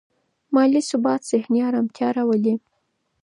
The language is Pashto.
مالي ثبات ذهني ارامتیا راولي.